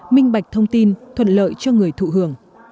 minh bạch thông tin thuận lợi cho người thụ hưởng